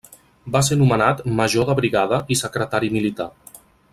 Va ser nomenat major de brigada i secretari militar.